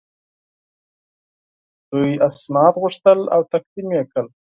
هغوی اسناد وغوښتل او تقدیم یې کړل.